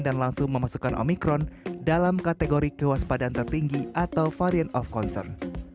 dan langsung memasukkan omikron dalam kategori kewaspadaan tertinggi atau variant of concern